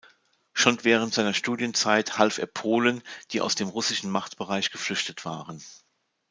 Schon während seiner Studienzeit half er Polen, die aus dem russischen Machtbereich geflüchtet waren.